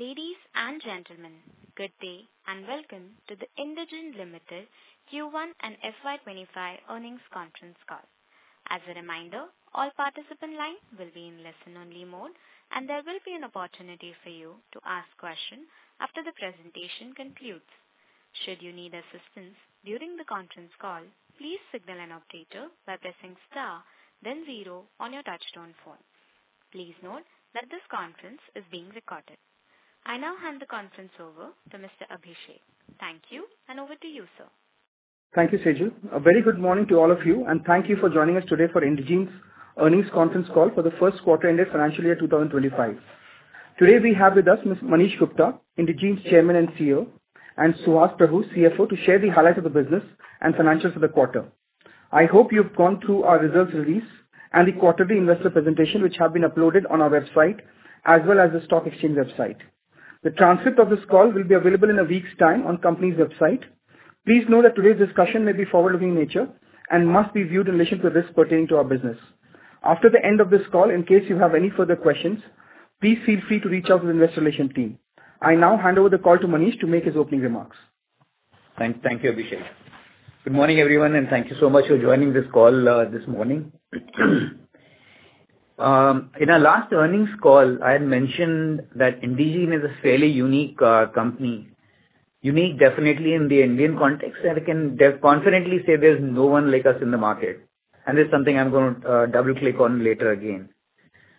Ladies and gentlemen, good day and welcome to the Indegene Limited Q1 and FY 2025 Earnings Conference Call. As a reminder, all participant lines will be in listen-only mode, and there will be an opportunity for you to ask questions after the presentation concludes. Should you need assistance during the conference call, please signal an operator by pressing star, then zero on your touch-tone phone. Please note that this conference is being recorded. I now hand the conference over to Mr. Abhishek. Thank you, and over to you, sir. Thank you, Sejal. A very good morning to all of you, and thank you for joining us today for Indegene's Earnings Conference Call for the first quarter-ending financial year 2025. Today, we have with us Mr. Manish Gupta, Indegene's Chairman and CEO, and Suhas Prabhu, CFO, to share the highlights of the business and financials for the quarter. I hope you've gone through our results release and the quarterly investor presentation, which have been uploaded on our website, as well as the stock exchange website. The transcript of this call will be available in a week's time on the company's website. Please note that today's discussion may be forward-looking in nature and must be viewed in relation to the risks pertaining to our business. After the end of this call, in case you have any further questions, please feel free to reach out to the investor relations team. I now hand over the call to Manish to make his opening remarks. Thank you, Abhishek. Good morning, everyone, and thank you so much for joining this call this morning. In our last earnings call, I had mentioned that Indegene is a fairly unique company, unique definitely in the Indian context, and I can confidently say there's no one like us in the market. It's something I'm going to double-click on later again.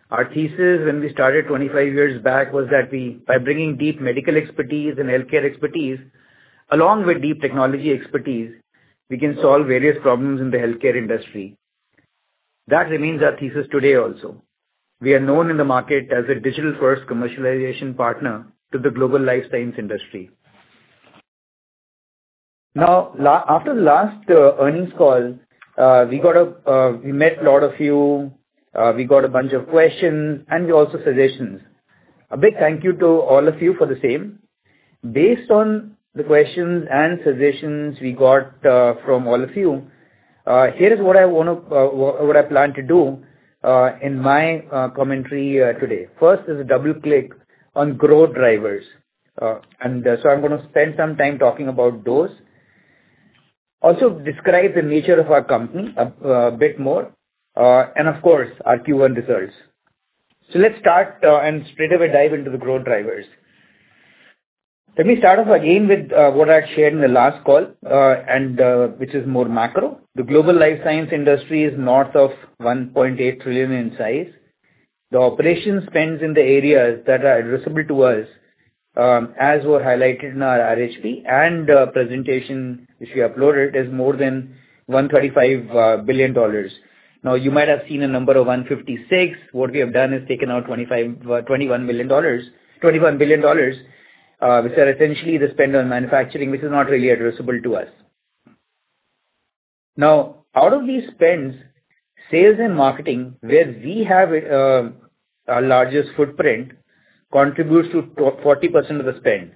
Our thesis, when we started 25 years back, was that by bringing deep medical expertise and healthcare expertise, along with deep technology expertise, we can solve various problems in the healthcare industry. That remains our thesis today also. We are known in the market as a digital-first commercialization partner to the global life science industry. Now, after the last earnings call, we met a lot of you. We got a bunch of questions, and we also had suggestions. A big thank you to all of you for the same. Based on the questions and suggestions we got from all of you, here is what I plan to do in my commentary today. First is a double-click on growth drivers. And so I'm going to spend some time talking about those, also describe the nature of our company a bit more, and of course, our Q1 results. So let's start and straight away dive into the growth drivers. Let me start off again with what I had shared in the last call, which is more macro. The global life science industry is north of $1.8 trillion in size. The operation spends in the areas that are addressable to us, as were highlighted in our RHP and presentation, which we uploaded, is more than $135 billion. Now, you might have seen a number of 156. What we have done is taken out $21 billion, which are essentially the spend on manufacturing, which is not really addressable to us. Now, out of these spends, sales and marketing, where we have our largest footprint, contributes to 40% of the spend.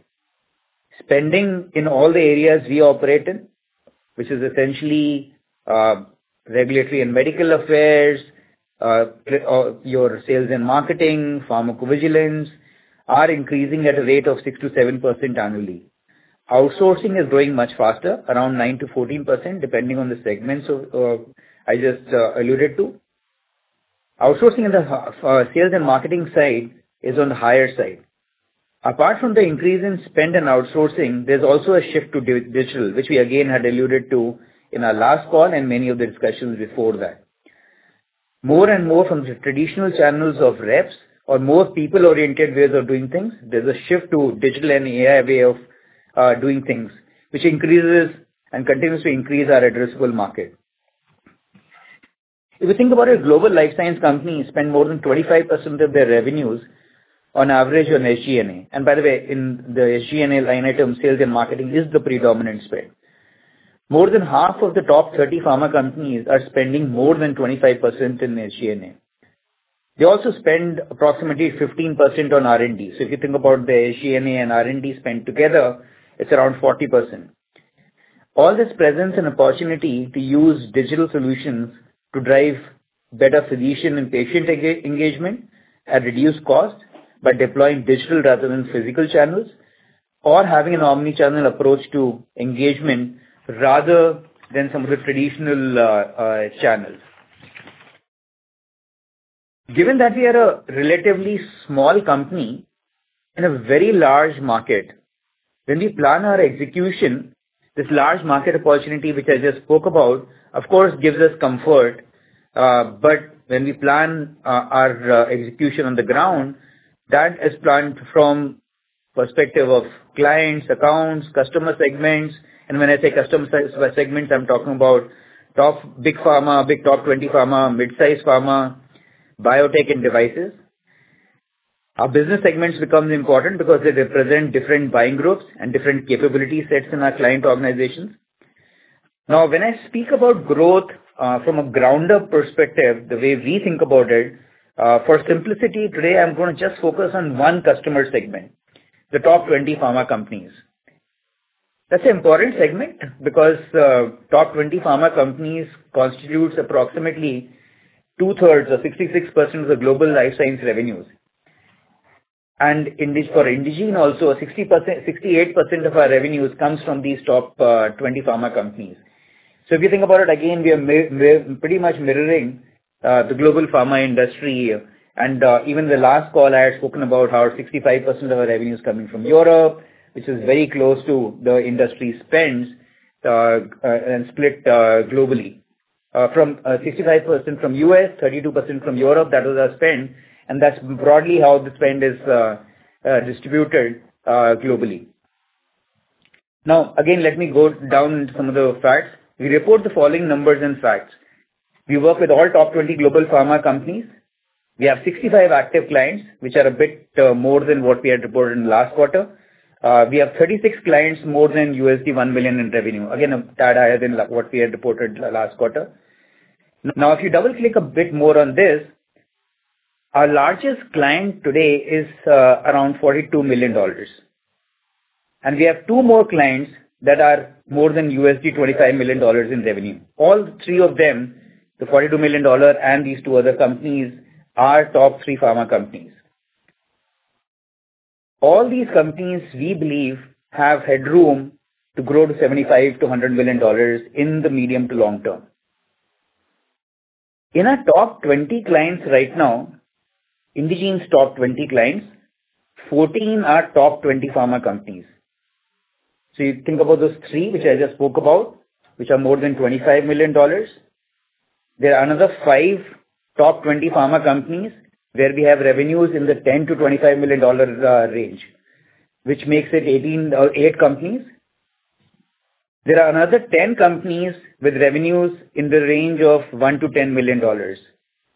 Spending in all the areas we operate in, which is essentially regulatory and medical affairs, your sales and marketing, pharmacovigilance, are increasing at a rate of 6%-7% annually. Outsourcing is growing much faster, around 9%-14%, depending on the segments I just alluded to. Outsourcing on the sales and marketing side is on the higher side. Apart from the increase in spend and outsourcing, there's also a shift to digital, which we, again, had alluded to in our last call and many of the discussions before that. More and more from the traditional channels of reps or more people-oriented ways of doing things, there's a shift to digital and AI way of doing things, which increases and continues to increase our addressable market. If you think about it, global life science companies spend more than 25% of their revenues on average on SG&A. And by the way, in the SG&A line item, sales and marketing is the predominant spend. More than half of the top 30 pharma companies are spending more than 25% in SG&A. They also spend approximately 15% on R&D. So if you think about the SG&A and R&D spend together, it's around 40%. All this presents an opportunity to use digital solutions to drive better physician and patient engagement at reduced cost by deploying digital rather than physical channels or having an omnichannel approach to engagement rather than some of the traditional channels. Given that we are a relatively small company in a very large market, when we plan our execution, this large market opportunity which I just spoke about, of course, gives us comfort. But when we plan our execution on the ground, that is planned from the perspective of clients, accounts, customer segments. When I say customer segments, I'm talking about top big pharma, big top 20 pharma, mid-size pharma, biotech, and devices. Our business segments become important because they represent different buying groups and different capability sets in our client organizations. Now, when I speak about growth from a granular perspective, the way we think about it, for simplicity, today, I'm going to just focus on one customer segment, the top 20 pharma companies. That's an important segment because top 20 pharma companies constitute approximately two-thirds or 66% of the global life sciences revenues. And for Indegene, also, 68% of our revenues comes from these top 20 pharma companies. So if you think about it, again, we are pretty much mirroring the global pharma industry. And even the last call, I had spoken about how 65% of our revenue is coming from Europe, which is very close to the industry spends and split globally. From 65% from U.S., 32% from Europe, that was our spend. And that's broadly how the spend is distributed globally. Now, again, let me go down some of the facts. We report the following numbers and facts. We work with all top 20 global pharma companies. We have 65 active clients, which are a bit more than what we had reported in the last quarter. We have 36 clients more than $1 million in revenue, again, a tad higher than what we had reported last quarter. Now, if you double-click a bit more on this, our largest client today is around $42 million. We have two more clients that are more than $25 million in revenue. All three of them, the $42 million and these two other companies, are top three pharma companies. All these companies, we believe, have headroom to grow to $75 million-$100 million in the medium to long term. In our top 20 clients right now, Indegene's top 20 clients, 14 are top 20 pharma companies. So you think about those three, which I just spoke about, which are more than $25 million. There are another five top 20 pharma companies where we have revenues in the $10-$25 million range, which makes it 18 or eight companies. There are another 10 companies with revenues in the range of $1 million-$10 million,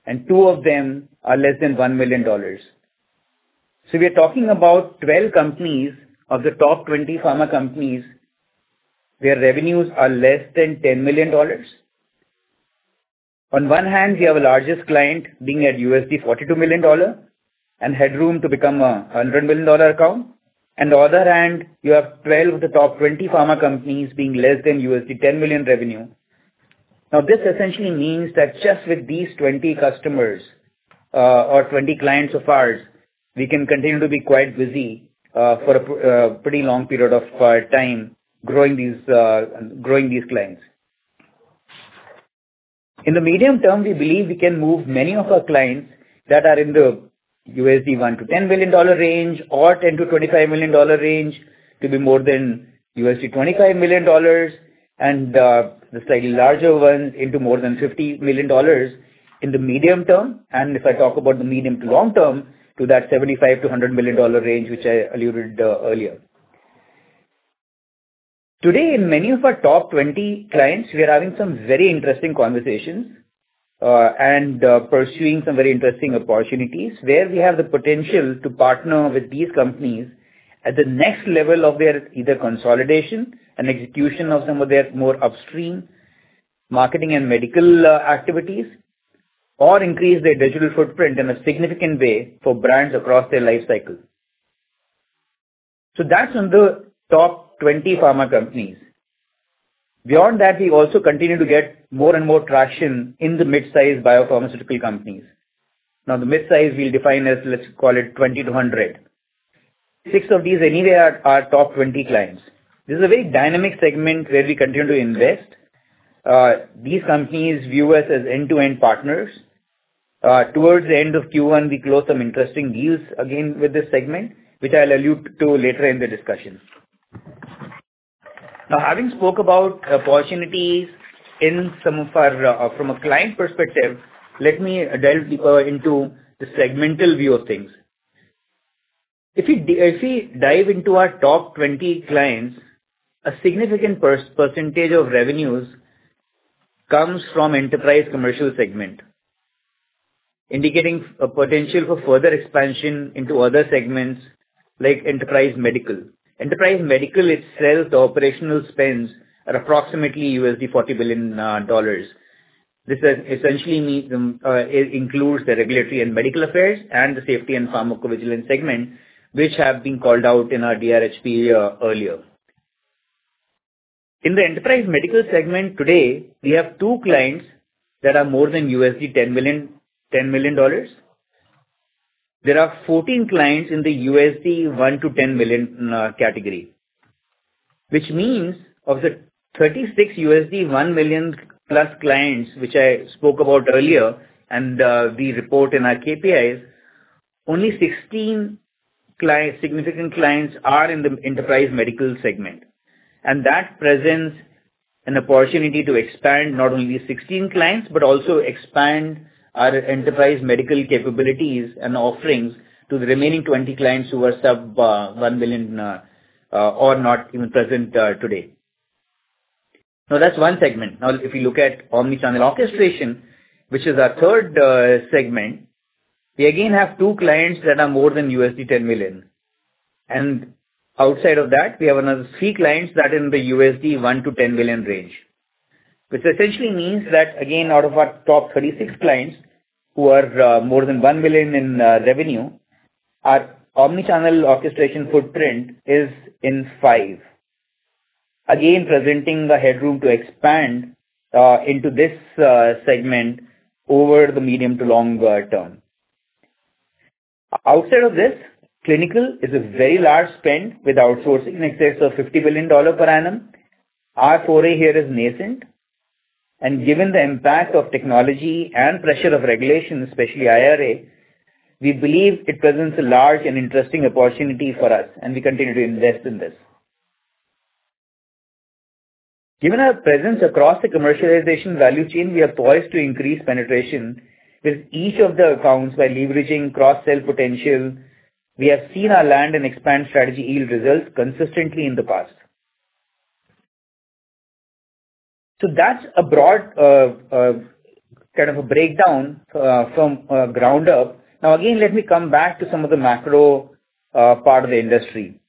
and two of them are less than $1 million. So we are talking about 12 companies of the top 20 pharma companies where revenues are less than $10 million. On one hand, we have a largest client being at $42 million and headroom to become a $100 million account. And on the other hand, you have 12 of the top 20 pharma companies being less than $10 million revenue. Now, this essentially means that just with these 20 customers or 20 clients of ours, we can continue to be quite busy for a pretty long period of time growing these clients. In the medium term, we believe we can move many of our clients that are in the $1 million-$10 million range or $10 million-$25 million range to be more than $25 million, and the slightly larger ones into more than $50 million in the medium term. If I talk about the medium to long term, to that $75 million-$100 million range which I alluded to earlier. Today, in many of our top 20 clients, we are having some very interesting conversations and pursuing some very interesting opportunities where we have the potential to partner with these companies at the next level of their either consolidation and execution of some of their more upstream marketing and medical activities or increase their digital footprint in a significant way for brands across their life cycle. So that's on the top 20 pharma companies. Beyond that, we also continue to get more and more traction in the mid-size biopharmaceutical companies. Now, the mid-size we'll define as, let's call it 20-100. Six of these anyway are top 20 clients. This is a very dynamic segment where we continue to invest. These companies view us as end-to-end partners. Towards the end of Q1, we close some interesting deals again with this segment, which I'll allude to later in the discussion. Now, having spoke about opportunities in some of our from a client perspective, let me delve deeper into the segmental view of things. If we dive into our top 20 clients, a significant percentage of revenues comes from Enterprise Commercial segment, indicating a potential for further expansion into other segments like Enterprise Medical. Enterprise Medical itself, the operational spends are approximately $40 billion. This essentially includes the regulatory and medical affairs and the safety and pharmacovigilance segment, which have been called out in our DRHP earlier. In the Enterprise Medical segment today, we have two clients that are more than $10 million. There are 14 clients in the $1 million-$10 million category, which means of the 36 $1 million-plus clients, which I spoke about earlier and we report in our KPIs, only 16 significant clients are in the Enterprise Medical segment. That presents an opportunity to expand not only 16 clients, but also expand our Enterprise Medical capabilities and offerings to the remaining 20 clients who are sub-$1 million or not even present today. Now, that's one segment. Now, if you look at omnichannel orchestration, which is our third segment, we again have two clients that are more than $10 million. Outside of that, we have another three clients that are in the $1 million-$10 million range, which essentially means that, again, out of our top 36 clients who are more than $1 million in revenue, our omnichannel orchestration footprint is in five, again presenting the headroom to expand into this segment over the medium to long term. Outside of this, clinical is a very large spend with outsourcing in excess of $50 billion per annum. Our foray here is nascent. Given the impact of technology and pressure of regulation, especially IRA, we believe it presents a large and interesting opportunity for us, and we continue to invest in this. Given our presence across the commercialization value chain, we have poised to increase penetration with each of the accounts by leveraging cross-sell potential. We have seen our land and expand strategy yield results consistently in the past. So that's a broad kind of a breakdown from ground up. Now, again, let me come back to some of the macro part of the industry.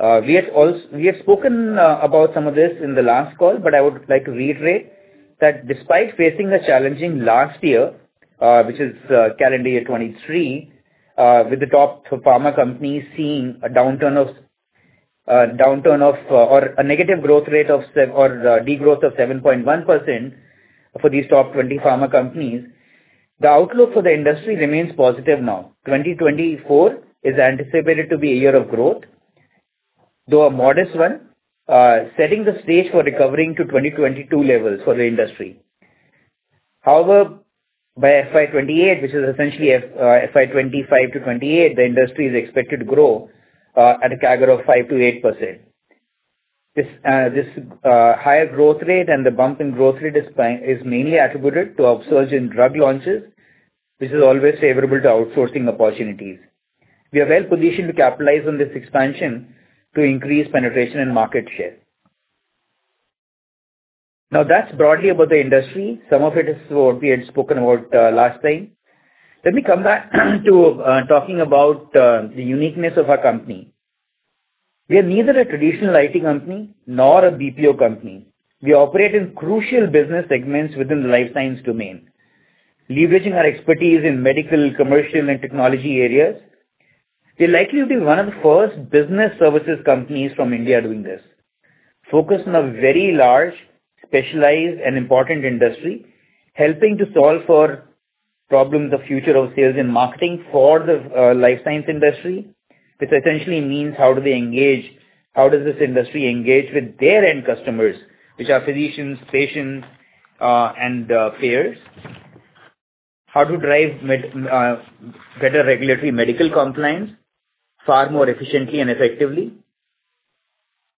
We have spoken about some of this in the last call, but I would like to reiterate that despite facing a challenging last year, which is calendar year 2023, with the top pharma companies seeing a downturn of or a negative growth rate or degrowth of 7.1% for these top 20 pharma companies, the outlook for the industry remains positive now. 2024 is anticipated to be a year of growth, though a modest one, setting the stage for recovering to 2022 levels for the industry. However, by FY 2028, which is essentially FY 2025 to FY 2028, the industry is expected to grow at a CAGR of 5%-8%. This higher growth rate and the bump in growth rate is mainly attributed to upsurge in drug launches, which is always favorable to outsourcing opportunities. We are well positioned to capitalize on this expansion to increase penetration and market share. Now, that's broadly about the industry. Some of it is what we had spoken about last time. Let me come back to talking about the uniqueness of our company. We are neither a traditional IT company nor a BPO company. We operate in crucial business segments within the life science domain, leveraging our expertise in medical, commercial, and technology areas. We're likely to be one of the first business services companies from India doing this, focused on a very large, specialized, and important industry, helping to solve for problems of future of sales and marketing for the life science industry, which essentially means how do they engage? How does this industry engage with their end customers, which are physicians, patients, and payers? How to drive better regulatory medical compliance far more efficiently and effectively,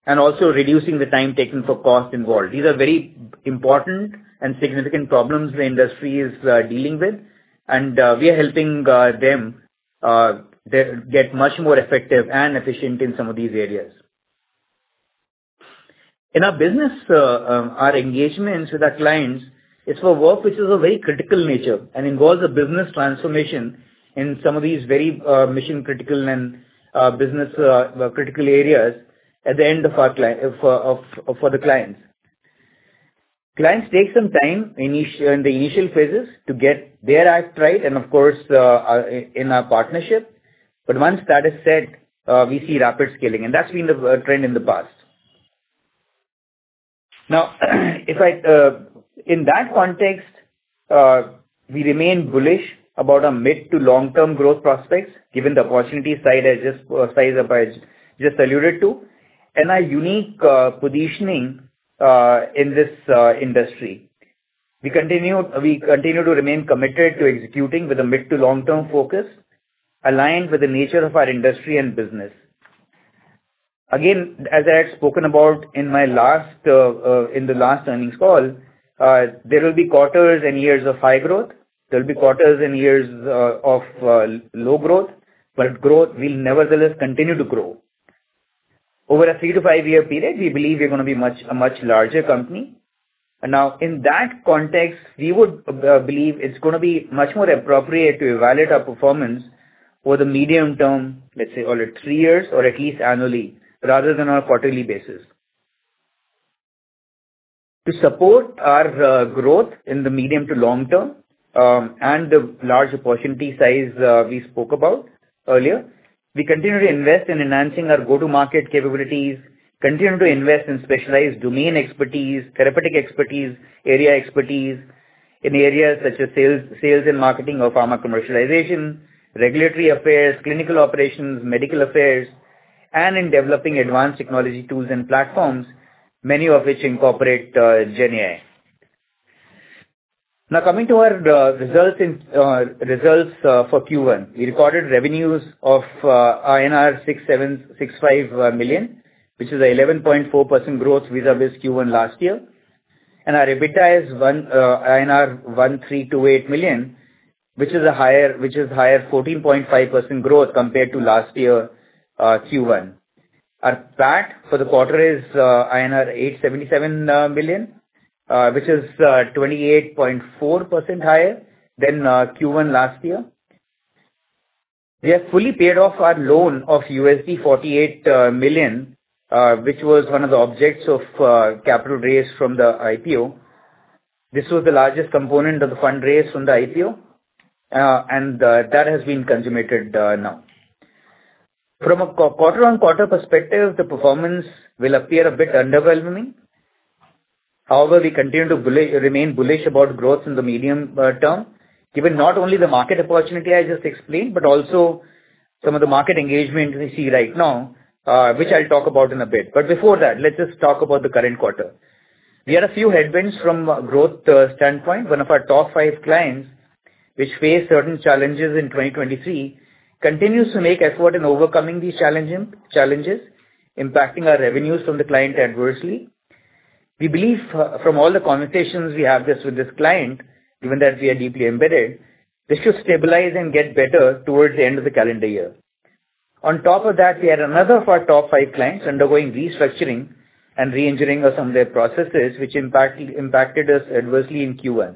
and also reducing the time taken for cost involved? These are very important and significant problems the industry is dealing with, and we are helping them get much more effective and efficient in some of these areas. In our business, our engagements with our clients is for work which is of very critical nature and involves a business transformation in some of these very mission-critical and business-critical areas at the end of for the clients. Clients take some time in the initial phases to get their act right and, of course, in our partnership. But once that is set, we see rapid scaling, and that's been the trend in the past. Now, in that context, we remain bullish about our mid to long-term growth prospects, given the opportunity size I just alluded to and our unique positioning in this industry. We continue to remain committed to executing with a mid to long-term focus aligned with the nature of our industry and business. Again, as I had spoken about in the last earnings call, there will be quarters and years of high growth. There will be quarters and years of low growth, but growth will nevertheless continue to grow. Over a three to five year period, we believe we're going to be a much larger company. And now, in that context, we would believe it's going to be much more appropriate to evaluate our performance over the medium term, let's say, all three years or at least annually, rather than on a quarterly basis. To support our growth in the medium to long term and the large opportunity size we spoke about earlier, we continue to invest in enhancing our go-to-market capabilities, continue to invest in specialized domain expertise, therapeutic expertise, area expertise in areas such as sales and marketing or pharma commercialization, regulatory affairs, clinical operations, medical affairs, and in developing advanced technology tools and platforms, many of which incorporate GenAI. Now, coming to our results for Q1, we recorded revenues of INR 65 million, which is an 11.4% growth vis-à-vis Q1 last year. Our EBITDA is 1.328 million INR, which is a higher 14.5% growth compared to last year Q1. Our PAT for the quarter is INR 877 million, which is 28.4% higher than Q1 last year. We have fully paid off our loan of $48 million, which was one of the objects of capital raised from the IPO. This was the largest component of the fund raised from the IPO, and that has been consummated now. From a quarter-on-quarter perspective, the performance will appear a bit underwhelming. However, we continue to remain bullish about growth in the medium term, given not only the market opportunity I just explained, but also some of the market engagement we see right now, which I'll talk about in a bit. But before that, let's just talk about the current quarter. We had a few headwinds from a growth standpoint. One of our top five clients, which faced certain challenges in 2023, continues to make effort in overcoming these challenges, impacting our revenues from the client adversely. We believe, from all the conversations we have with this client, given that we are deeply embedded, this should stabilize and get better towards the end of the calendar year. On top of that, we had another of our top five clients undergoing restructuring and re-engineering of some of their processes, which impacted us adversely in Q1.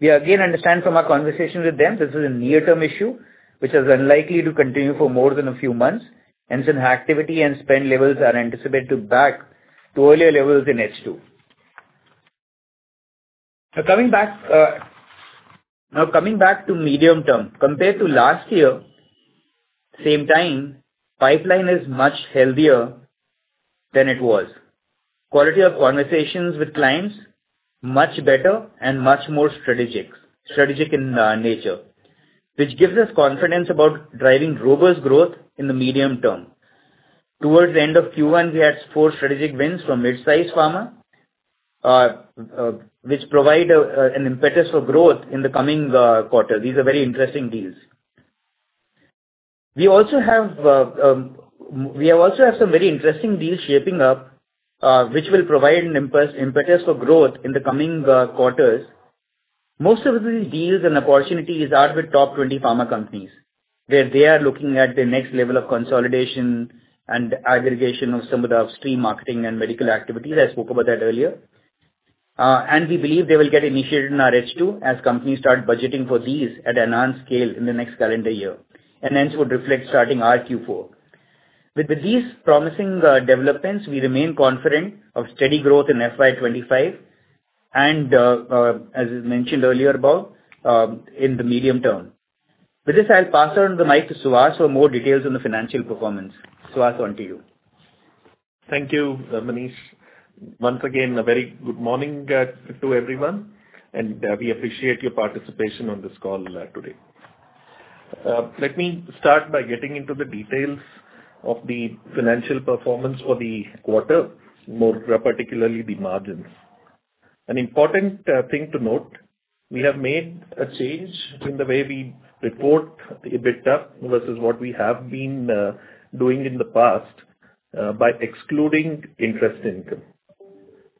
We again understand from our conversation with them this is a near-term issue, which is unlikely to continue for more than a few months, and some activity and spend levels are anticipated to back to earlier levels in H2. Now, coming back to medium term, compared to last year, same time, pipeline is much healthier than it was. Quality of conversations with clients much better and much more strategic in nature, which gives us confidence about driving robust growth in the medium term. Towards the end of Q1, we had four strategic wins from mid-size pharma, which provide an impetus for growth in the coming quarter. These are very interesting deals. We also have some very interesting deals shaping up, which will provide an impetus for growth in the coming quarters. Most of these deals and opportunities are with top 20 pharma companies, where they are looking at the next level of consolidation and aggregation of some of the upstream marketing and medical activities. I spoke about that earlier. And we believe they will get initiated in our H2 as companies start budgeting for these at enhanced scale in the next calendar year, and hence would reflect starting our Q4. With these promising developments, we remain confident of steady growth in FY 2025 and, as mentioned earlier above, in the medium term. With this, I'll pass on the mic to Suhas for more details on the financial performance. Suhas, on to you. Thank you, Manish. Once again, a very good morning to everyone, and we appreciate your participation on this call today. Let me start by getting into the details of the financial performance for the quarter, more particularly the margins. An important thing to note, we have made a change in the way we report EBITDA versus what we have been doing in the past by excluding interest income.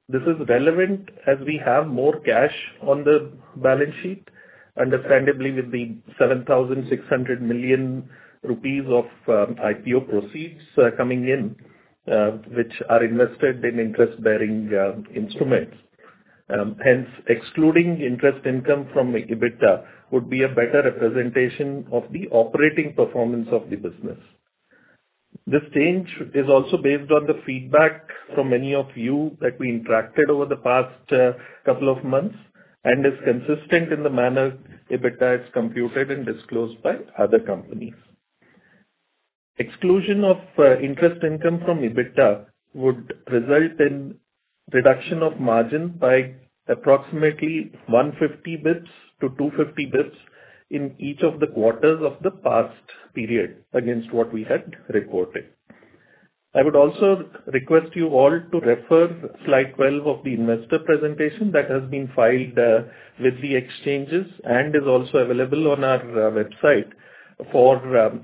This is relevant as we have more cash on the balance sheet, understandably with the 7,600 million rupees of IPO proceeds coming in, which are invested in interest-bearing instruments. Hence, excluding interest income from EBITDA would be a better representation of the operating performance of the business. This change is also based on the feedback from many of you that we interacted with over the past couple of months and is consistent in the manner EBITDA is computed and disclosed by other companies. Exclusion of interest income from EBITDA would result in reduction of margin by approximately 150 bps-250 bps in each of the quarters of the past period against what we had reported. I would also request you all to refer to slide 12 of the investor presentation that has been filed with the exchanges and is also available on our website for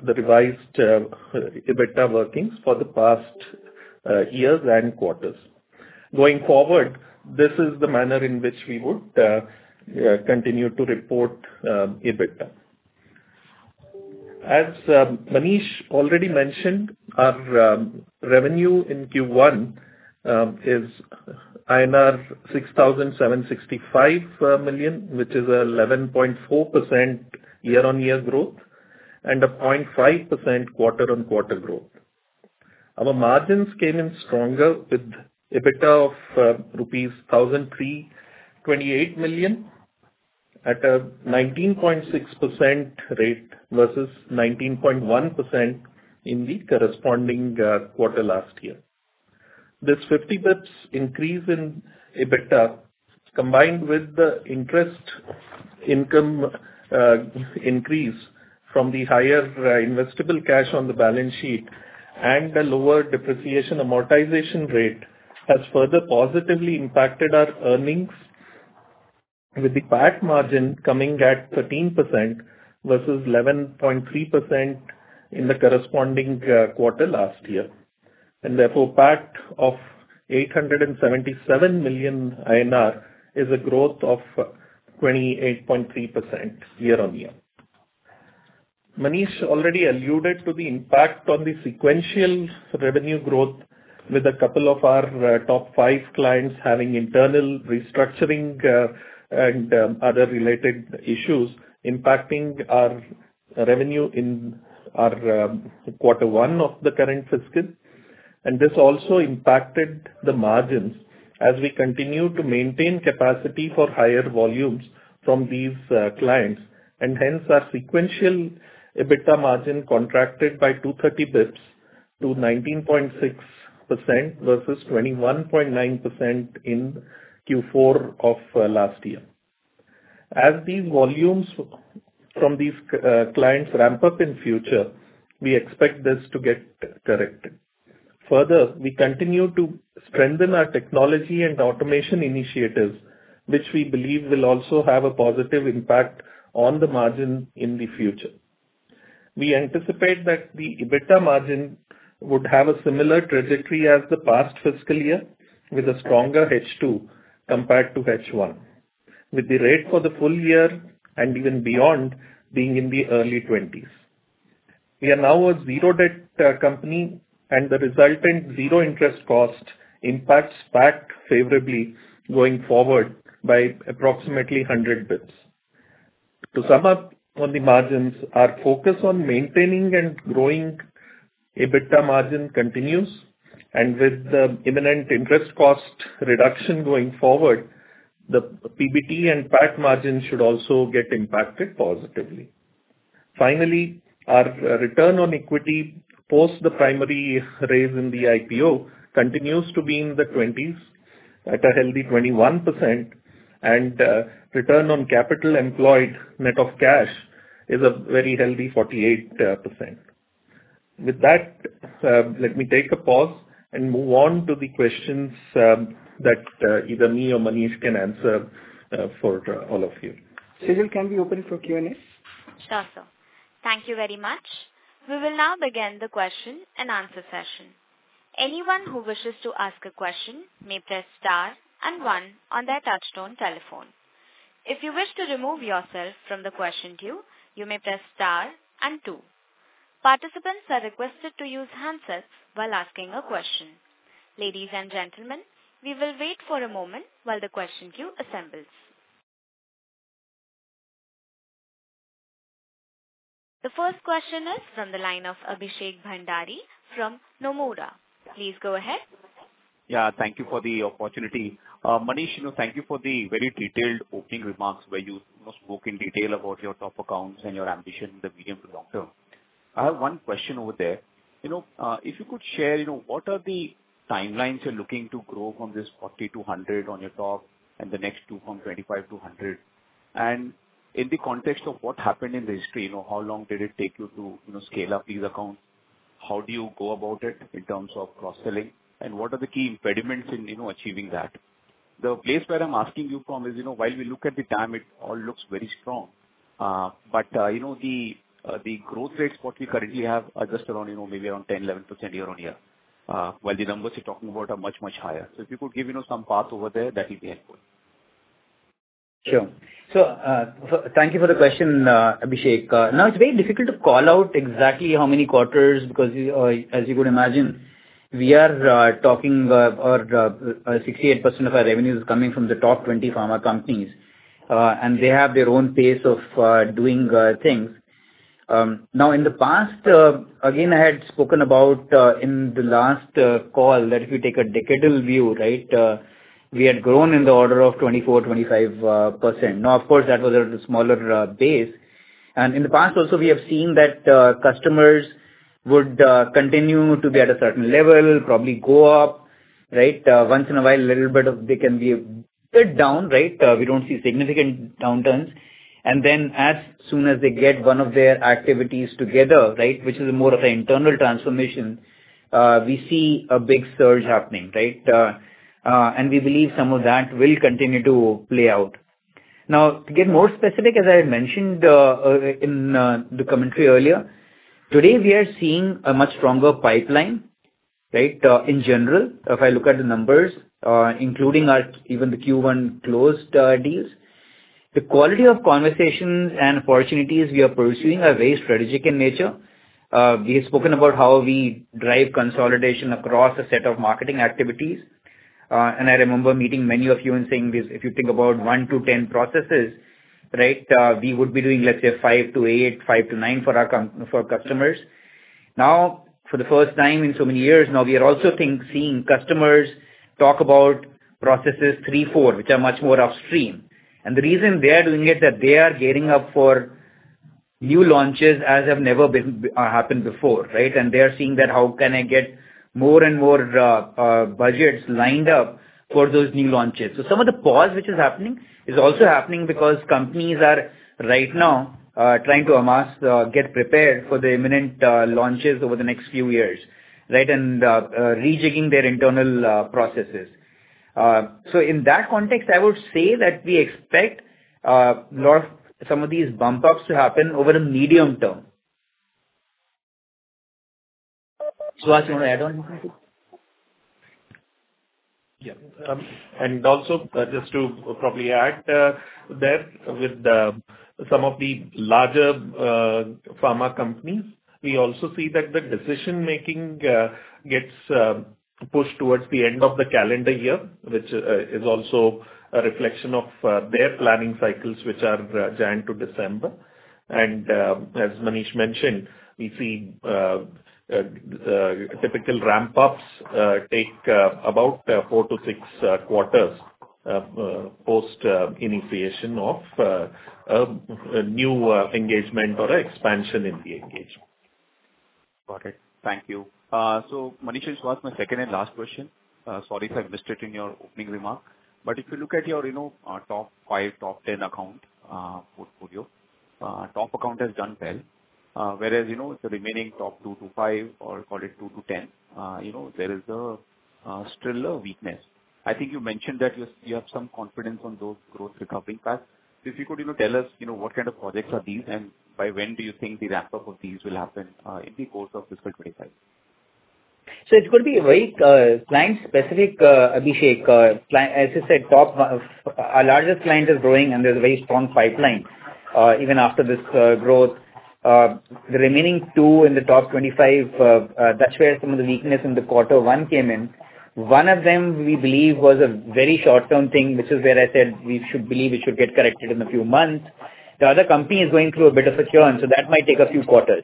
the revised EBITDA workings for the past years and quarters. Going forward, this is the manner in which we would continue to report EBITDA. As Manish already mentioned, our revenue in Q1 is INR 6,765 million, which is an 11.4% year-on-year growth and a 0.5% quarter-on-quarter growth. Our margins came in stronger with EBITDA of rupees 1,003.28 million at a 19.6% rate versus 19.1% in the corresponding quarter last year. This 50 bps increase in EBITDA, combined with the interest income increase from the higher investable cash on the balance sheet and the lower depreciation amortization rate, has further positively impacted our earnings, with the PAT margin coming at 13% versus 11.3% in the corresponding quarter last year. Therefore, PAT of 877 million INR is a growth of 28.3% year-on-year. Manish already alluded to the impact on the sequential revenue growth, with a couple of our top five clients having internal restructuring and other related issues impacting our revenue in our quarter one of the current fiscal. This also impacted the margins as we continue to maintain capacity for higher volumes from these clients. Hence, our sequential EBITDA margin contracted by 230 bps to 19.6% versus 21.9% in Q4 of last year. As these volumes from these clients ramp up in future, we expect this to get corrected. Further, we continue to strengthen our technology and automation initiatives, which we believe will also have a positive impact on the margin in the future. We anticipate that the EBITDA margin would have a similar trajectory as the past fiscal year, with a stronger H2 compared to H1, with the rate for the full year and even beyond being in the early 20s. We are now a zero-debt company, and the resultant zero-interest cost impacts PAT favorably going forward by approximately 100 bps. To sum up on the margins, our focus on maintaining and growing EBITDA margin continues, and with the imminent interest cost reduction going forward, the PBT and PAT margin should also get impacted positively. Finally, our return on equity post the primary raise in the IPO continues to be in the 20s at a healthy 21%, and return on capital employed net of cash is a very healthy 48%. With that, let me take a pause and move on to the questions that either me or Manish can answer for all of you. Cyril, can we open for Q&A? Sure, sir. Thank you very much. We will now begin the question and answer session. Anyone who wishes to ask a question may press star and one on their touch-tone telephone. If you wish to remove yourself from the question queue, you may press star and two. Participants are requested to use handsets while asking a question. Ladies and gentlemen, we will wait for a moment while the question queue assembles. The first question is from the line of Abhishek Bhandari from Nomura. Please go ahead. Yeah, thank you for the opportunity. Manish, thank you for the very detailed opening remarks where you spoke in detail about your top accounts and your ambition in the medium to long term. I have one question over there. If you could share, what are the timelines you're looking to grow from this 40 to 100 on your top and the next two from 25 to 100? And in the context of what happened in the history, how long did it take you to scale up these accounts? How do you go about it in terms of cross-selling? And what are the key impediments in achieving that? The place where I'm asking you from is, while we look at the time, it all looks very strong. But the growth rates what we currently have are just around maybe around 10%-11% year-on-year, while the numbers you're talking about are much, much higher. So if you could give some path over there, that would be helpful. Sure. So thank you for the question, Abhishek. Now, it's very difficult to call out exactly how many quarters because, as you could imagine, we are talking about 68% of our revenues coming from the top 20 pharma companies, and they have their own pace of doing things. Now, in the past, again, I had spoken about in the last call that if you take a decadal view, right, we had grown in the order of 24%-25%. Now, of course, that was a smaller base. And in the past, also, we have seen that customers would continue to be at a certain level, probably go up, right? Once in a while, a little bit of they can be a bit down, right? We don't see significant downturns. And then, as soon as they get one of their activities together, right, which is more of an internal transformation, we see a big surge happening, right? And we believe some of that will continue to play out. Now, to get more specific, as I had mentioned in the commentary earlier, today we are seeing a much stronger pipeline, right? In general, if I look at the numbers, including even the Q1 closed deals, the quality of conversations and opportunities we are pursuing are very strategic in nature. We have spoken about how we drive consolidation across a set of marketing activities. And I remember meeting many of you and saying, "If you think about one to 10 processes, right, we would be doing, let's say, five to eight, five to nine for our customers." Now, for the first time in so many years, now we are also seeing customers talk about processes three, four, which are much more upstream. And the reason they are doing it is that they are gearing up for new launches as have never happened before, right? And they are seeing that, "How can I get more and more budgets lined up for those new launches?" So some of the pause which is happening is also happening because companies are right now trying to get prepared for the imminent launches over the next few years, right, and rejigging their internal processes. So in that context, I would say that we expect some of these bump-ups to happen over the medium term. Suhas, you want to add on something? Yeah. And also, just to probably add there, with some of the larger pharma companies, we also see that the decision-making gets pushed towards the end of the calendar year, which is also a reflection of their planning cycles, which are January to December. And as Manish mentioned, we see typical ramp-ups take about four to six quarters post initiation of new engagement or expansion in the engagement. Got it. Thank you. So Manish, this was my second and last question. Sorry if I missed it in your opening remark. But if you look at your top five, top 10 account portfolio, top account has done well, whereas the remaining top two to five, or call it two to 10, there is a structural weakness. I think you mentioned that you have some confidence on those growth recovery paths. If you could tell us what kind of projects are these and by when do you think the ramp-up of these will happen in the course of fiscal 2025? So it's going to be very client-specific, Abhishek. As you said, our largest client is growing, and there's a very strong pipeline even after this growth. The remaining two in the top 25, that's where some of the weakness in the quarter one came in. One of them, we believe, was a very short-term thing, which is where I said we should believe it should get corrected in a few months. The other company is going through a bit of a churn, so that might take a few quarters,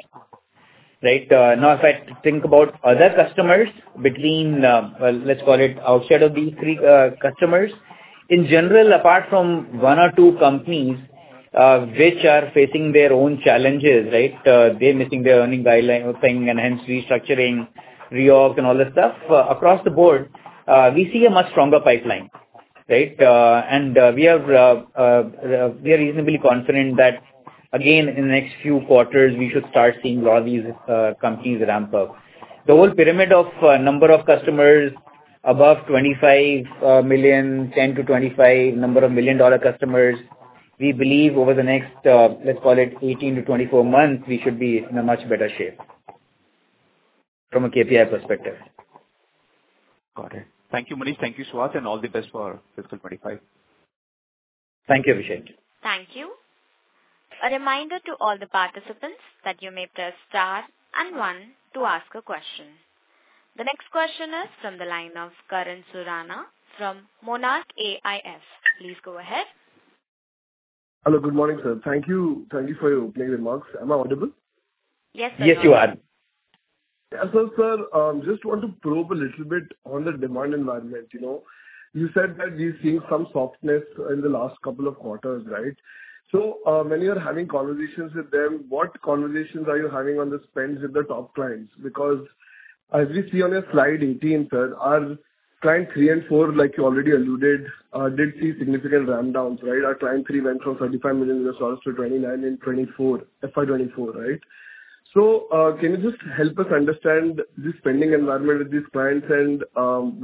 right? Now, if I think about other customers between, let's call it, outside of these three customers, in general, apart from one or two companies which are facing their own challenges, right, they're missing their earning guideline thing and hence restructuring, reorg, and all this stuff, across the board, we see a much stronger pipeline, right? And we are reasonably confident that, again, in the next few quarters, we should start seeing a lot of these companies ramp up. The whole pyramid of number of customers above $25 million, 10-25 number of million-dollar customers, we believe over the next, let's call it, 18-24 months, we should be in a much better shape from a KPI perspective. Got it. Thank you, Manish. Thank you, Suhas, and all the best for fiscal 2025. Thank you, Abhishek. Thank you. A reminder to all the participants that you may press star and one to ask a question. The next question is from the line of Karan Surana from Monarch Networth Capital. Please go ahead. Hello, good morning, sir. Thank you for your opening remarks. Am I audible? Yes, sir. Yes, you are. Yes, sir. Sir, I just want to probe a little bit on the demand environment. You said that we've seen some softness in the last couple of quarters, right? So when you're having conversations with them, what conversations are you having on the spend with the top clients? Because as we see on your slide 18, sir, our client three and four, like you already alluded, did see significant rundowns, right? Our client three went from $35 million to $29 million in FY2024, right? So can you just help us understand the spending environment with these clients and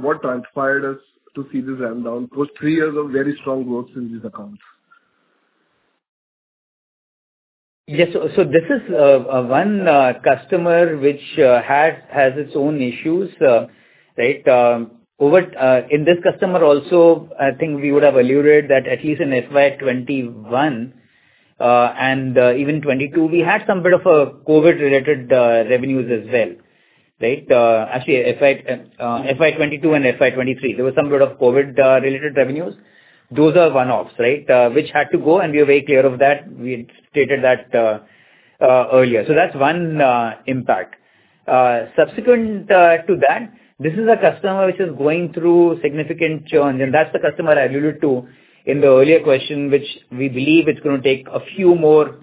what transpired us to see this rundown post three years of very strong growth in these accounts? Yes. So this is one customer which has its own issues, right? In this customer also, I think we would have alluded that at least in FY 2021 and even FY 2022, we had some bit of COVID-related revenues as well, right? Actually, FY 2022 and FY 2023, there was some bit of COVID-related revenues. Those are one-offs, right, which had to go, and we were very clear of that. We stated that earlier. So that's one impact. Subsequent to that, this is a customer which is going through significant churn, and that's the customer I alluded to in the earlier question, which we believe it's going to take a few more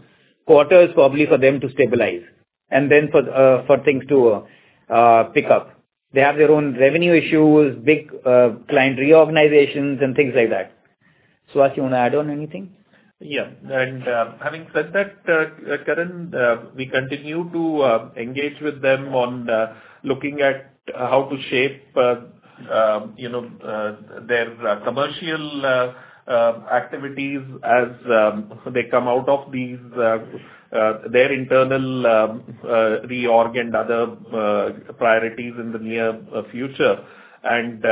quarters probably for them to stabilize and then for things to pick up. They have their own revenue issues, big client reorganizations, and things like that. Suhas, you want to add on anything? Yeah. And having said that, Karan, we continue to engage with them on looking at how to shape their commercial activities as they come out of their internal reorg and other priorities in the near future. And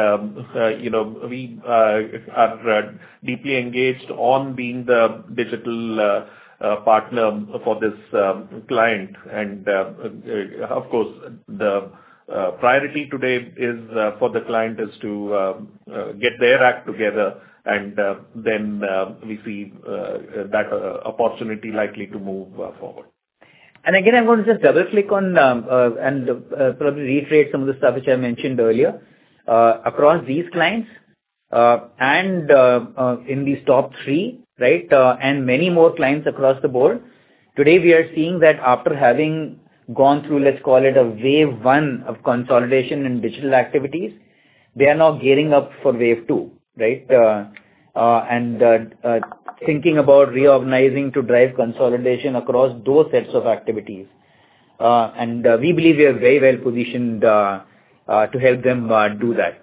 we are deeply engaged on being the digital partner for this client. And of course, the priority today for the client is to get their act together, and then we see that opportunity likely to move forward. Again, I want to just double-click on and probably reiterate some of the stuff which I mentioned earlier. Across these clients and in these top three, right, and many more clients across the board, today we are seeing that after having gone through, let's call it, a wave one of consolidation in digital activities, they are now gearing up for wave two, right, and thinking about reorganizing to drive consolidation across those sets of activities. We believe we are very well positioned to help them do that.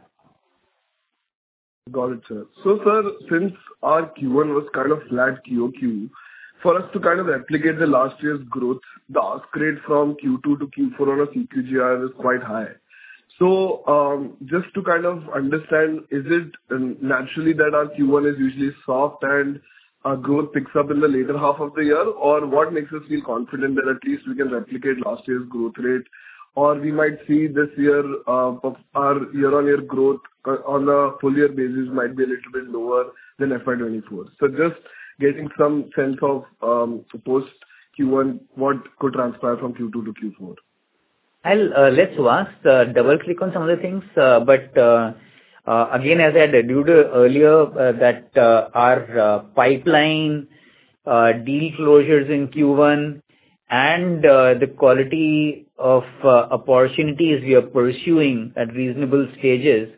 Got it, sir. So, sir, since our Q1 was kind of flat QoQ, for us to kind of replicate last year's growth, the ask rate from Q2 to Q4 on a CAGR was quite high. So just to kind of understand, is it naturally that our Q1 is usually soft and our growth picks up in the later half of the year, or what makes us feel confident that at least we can replicate last year's growth rate, or we might see this year our year-on-year growth on a full-year basis might be a little bit lower than FY 2024? So just getting some sense of post Q1, what could transpire from Q2 to Q4? I'll let Suhas double-click on some of the things. But again, as I had alluded earlier, that our pipeline, deal closures in Q1, and the quality of opportunities we are pursuing at reasonable stages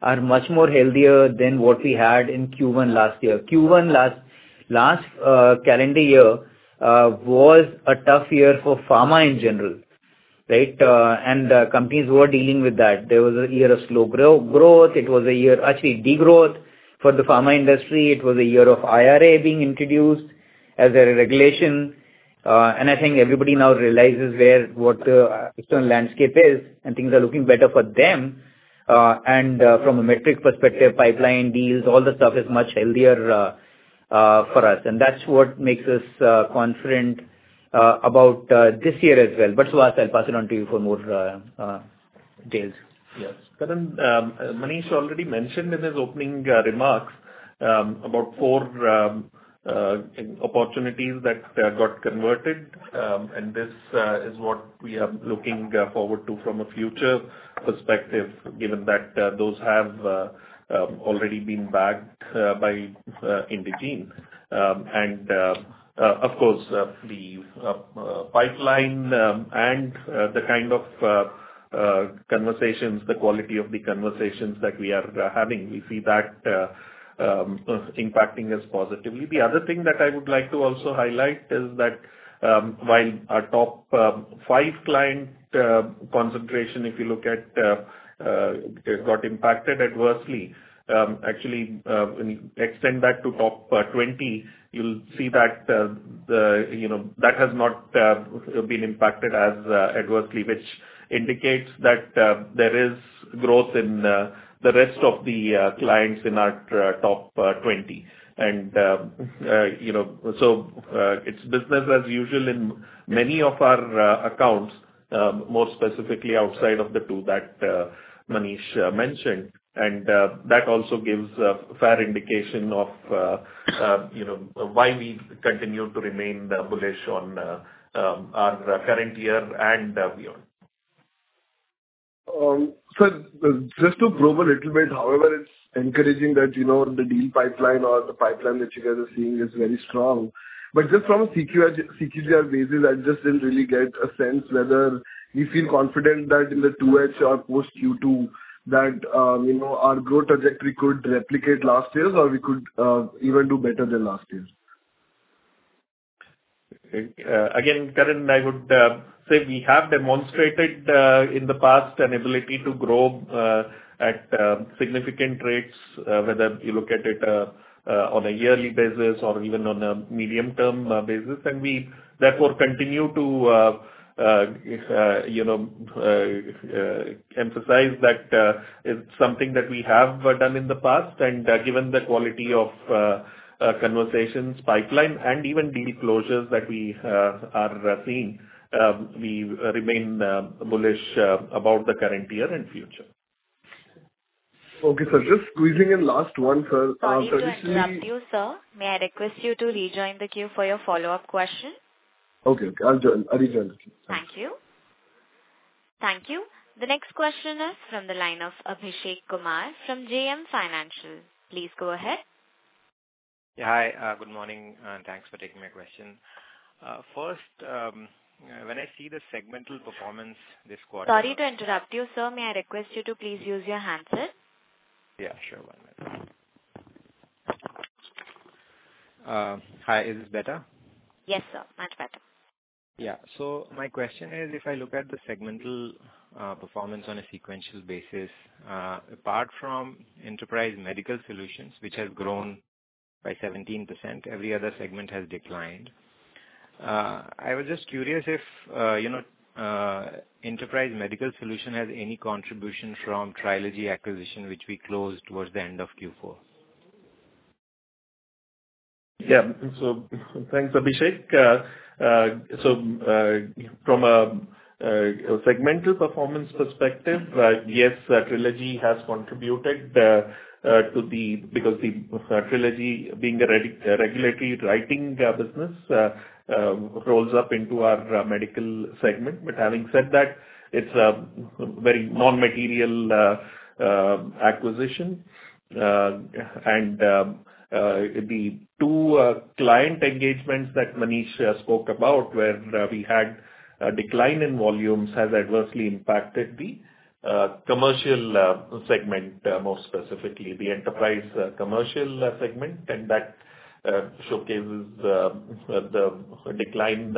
are much more healthier than what we had in Q1 last year. Q1 last calendar year was a tough year for pharma in general, right? And companies were dealing with that. There was a year of slow growth. It was a year, actually, degrowth for the pharma industry. It was a year of IRA being introduced as a regulation. And I think everybody now realizes what the external landscape is, and things are looking better for them. And from a metric perspective, pipeline deals, all the stuff is much healthier for us. And that's what makes us confident about this year as well. But Suhas, I'll pass it on to you for more details. Yes. Karan, Manish already mentioned in his opening remarks about four opportunities that got converted, and this is what we are looking forward to from a future perspective, given that those have already been bagged by Indegene. Of course, the pipeline and the kind of conversations, the quality of the conversations that we are having, we see that impacting us positively. The other thing that I would like to also highlight is that while our top five client concentration, if you look at, got impacted adversely, actually, when you extend that to top 20, you'll see that that has not been impacted as adversely, which indicates that there is growth in the rest of the clients in our top 20. So it's business as usual in many of our accounts, more specifically outside of the two that Manish mentioned. That also gives a fair indication of why we continue to remain bullish on our current year and beyond. Sir, just to probe a little bit, however, it's encouraging that the deal pipeline or the pipeline that you guys are seeing is very strong. But just from a CAGR basis, I just didn't really get a sense whether we feel confident that in the 2H or post Q2 that our growth trajectory could replicate last year's or we could even do better than last year's. Again, Karan, I would say we have demonstrated in the past an ability to grow at significant rates, whether you look at it on a yearly basis or even on a medium-term basis. We therefore continue to emphasize that it's something that we have done in the past. Given the quality of conversations, pipeline, and even deal closures that we are seeing, we remain bullish about the current year and future. Okay, sir. Just squeezing in last one, sir. I'll interrupt you, sir. May I request you to rejoin the queue for your follow-up question? Okay. Okay. I'll rejoin the queue. Thank you. Thank you. The next question is from the line of Abhishek Kumar from JM Financial. Please go ahead. Yeah. Hi. Good morning. Thanks for taking my question. First, when I see the segmental performance this quarter. Sorry to interrupt you, sir. May I request you to please use your hand, sir? Yeah. Sure. One moment. Hi. Is this better? Yes, sir. Much better. Yeah. So my question is, if I look at the segmental performance on a sequential basis, apart from Enterprise Medical Solutions, which has grown by 17%, every other segment has declined. I was just curious if Enterprise Medical Solution has any contribution from Trilogy acquisition, which we closed towards the end of Q4. Yeah. So thanks, Abhishek. So from a segmental performance perspective, yes, Trilogy has contributed to the, because Trilogy, being a regulatory writing business, rolls up into our medical segment. But having said that, it's a very non-material acquisition. And the two client engagements that Manish spoke about, where we had a decline in volumes, has adversely impacted the commercial segment, more specifically the Enterprise Commercial segment. And that showcases the decline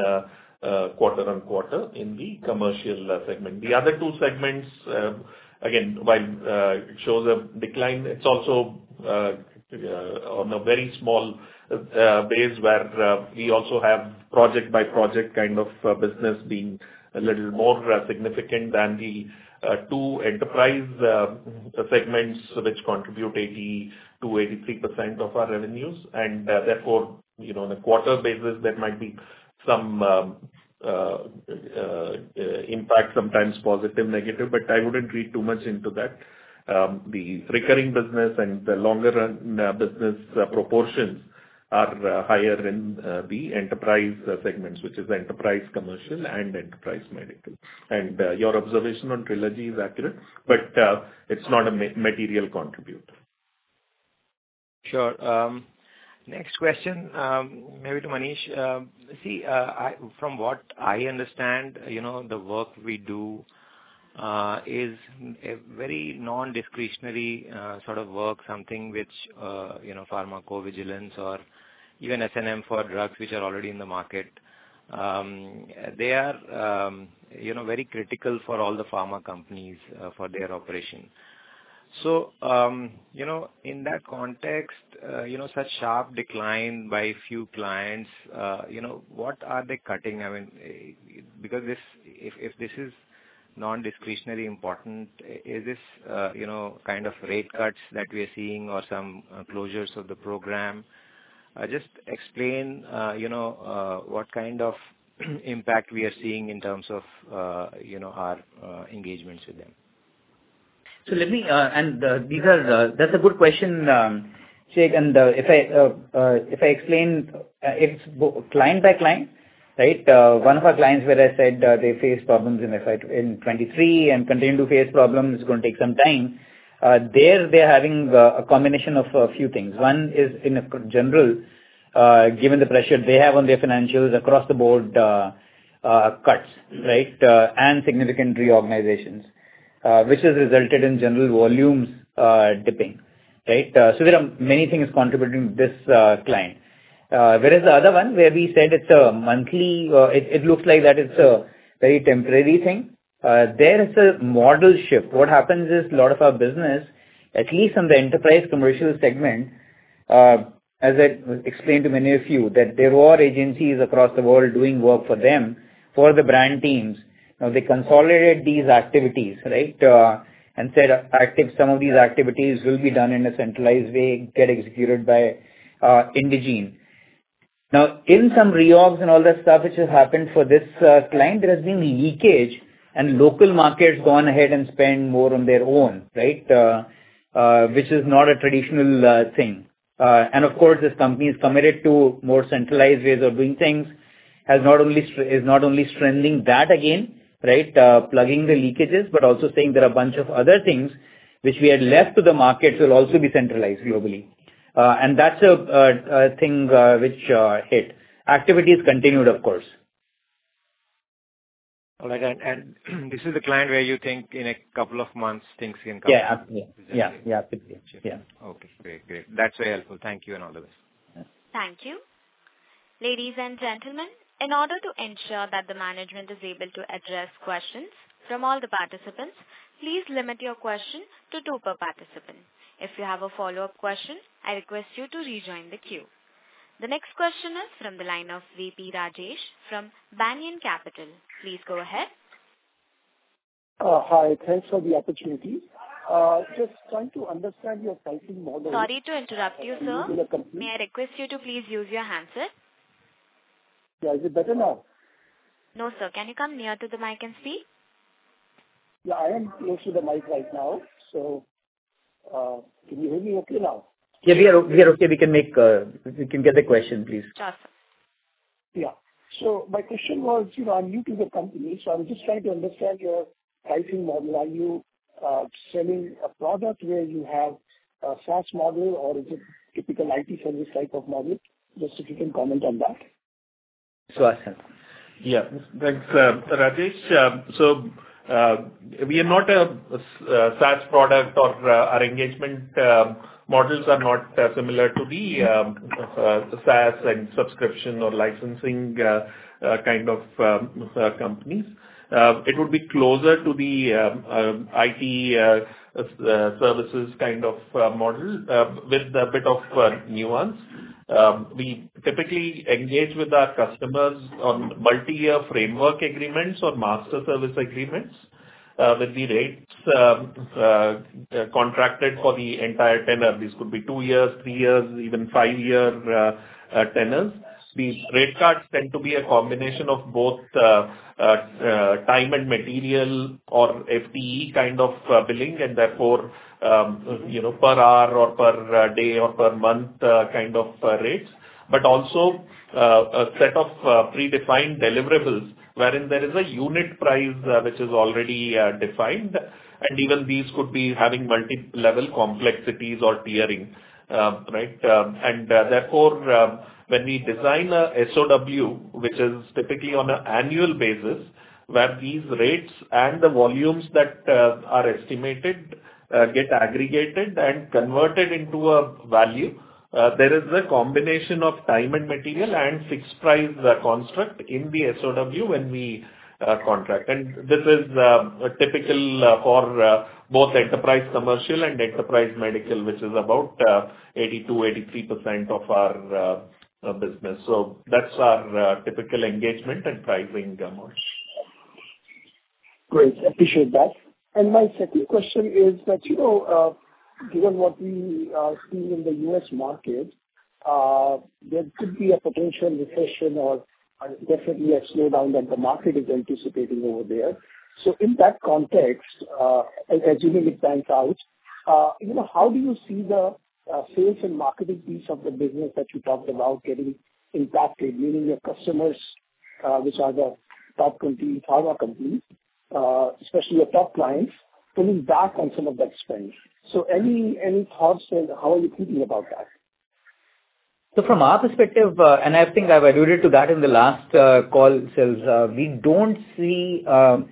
quarter-on-quarter in the commercial segment. The other two segments, again, while it shows a decline, it's also on a very small base where we also have project-by-project kind of business being a little more significant than the two enterprise segments, which contribute 82%-83% of our revenues. And therefore, on a quarter basis, there might be some impact, sometimes positive, negative. But I wouldn't read too much into that. The recurring business and the longer-run business proportions are higher in the Enterprise segments, which is Enterprise Commercial and Enterprise Medical. Your observation on Trilogy is accurate, but it's not a material contribute. Sure. Next question, maybe to Manish. See, from what I understand, the work we do is a very non-discretionary sort of work, something which pharmacovigilance or even SNM for drugs, which are already in the market, they are very critical for all the pharma companies for their operation. So in that context, such sharp decline by few clients, what are they cutting? I mean, because if this is non-discretionary important, is this kind of rate cuts that we are seeing or some closures of the program? Just explain what kind of impact we are seeing in terms of our engagements with them. So let me, and that's a good question, Abhishek. And if I explain client by client, right, one of our clients where I said they face problems in 2023 and continue to face problems, it's going to take some time. There, they're having a combination of a few things. One is, in general, given the pressure they have on their financials across the board, cuts, right, and significant reorganizations, which has resulted in general volumes dipping, right? So there are many things contributing to this client. Whereas the other one where we said it's a monthly, it looks like that it's a very temporary thing. There is a model shift. What happens is a lot of our business, at least in the Enterprise Commercial segment, as I explained to many of you, that there were agencies across the world doing work for them for the brand teams. Now, they consolidated these activities, right, and said some of these activities will be done in a centralized way, get executed by Indegene. Now, in some reorgs and all that stuff which has happened for this client, there has been leakage, and local markets go on ahead and spend more on their own, right, which is not a traditional thing. And of course, this company is committed to more centralized ways of doing things, is not only strengthening that again, right, plugging the leakages, but also saying there are a bunch of other things which we had left to the markets will also be centralized globally. And that's a thing which hit. Activities continued, of course. All right. And this is the client where you think in a couple of months, things can come? Yeah. Absolutely. Yeah. Yeah. Absolutely. Yeah. Okay. Great. Great. That's very helpful. Thank you and all the best. Thank you. Ladies and gentlemen, in order to ensure that the management is able to address questions from all the participants, please limit your question to two per participant. If you have a follow-up question, I request you to rejoin the queue. The next question is from the line of V.P. Rajesh from Banyan Capital. Please go ahead. Hi. Thanks for the opportunity. Just trying to understand your pricing model. Sorry to interrupt you, sir. It's a little complicated. May I request you to please use your handset, sir? Yeah. Is it better now? No, sir. Can you come nearer to the mic and speak? Yeah. I am close to the mic right now. So can you hear me okay now? Yeah. We are okay. We can get the question, please. Awesome. Yeah. So my question was, I'm new to the company, so I'm just trying to understand your pricing model. Are you selling a product where you have a SaaS model, or is it typical IT service type of model? Just if you can comment on that. Suhas. Yeah. Thanks, Rajesh. So we are not a SaaS product, or our engagement models are not similar to the SaaS and subscription or licensing kind of companies. It would be closer to the IT services kind of model with a bit of nuance. We typically engage with our customers on multi-year framework agreements or master service agreements with the rates contracted for the entire tenor. This could be two years, three years, even five year tenors. The rate cards tend to be a combination of both time and material or FTE kind of billing, and therefore per hour or per day or per month kind of rates, but also a set of predefined deliverables wherein there is a unit price which is already defined. And even these could be having multi-level complexities or tiering, right? And therefore, when we design an SOW, which is typically on an annual basis, where these rates and the volumes that are estimated get aggregated and converted into a value, there is a combination of time and material and fixed price construct in the SOW when we contract. And this is typical for both Enterprise Commercial and Enterprise Medical, which is about 82%-83% of our business. So that's our typical engagement and pricing model. Great. Appreciate that. And my second question is that given what we are seeing in the U.S. market, there could be a potential recession or definitely a slowdown that the market is anticipating over there. So in that context, as you know, it pans out. How do you see the sales and marketing piece of the business that you talked about getting impacted, meaning your customers, which are the top pharma companies, especially your top clients, pulling back on some of that spend? So any thoughts on how are you thinking about that? So from our perspective, and I think I've alluded to that in the last call, Sales, we don't see healthcare